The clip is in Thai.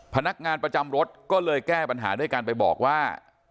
พนักงานประจำรถก็เลยแก้ปัญหาด้วยการไปบอกว่า